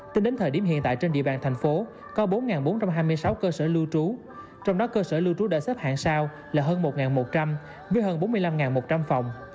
tính đến thời điểm hiện tại trên địa bàn thành phố có bốn bốn trăm hai mươi sáu cơ sở lưu trú trong đó cơ sở lưu trú đã xếp hạng sao là hơn một một trăm linh với hơn bốn mươi năm một trăm linh phòng